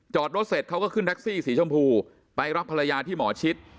รถเสร็จเขาก็ขึ้นแท็กซี่สีชมพูไปรับภรรยาที่หมอชิด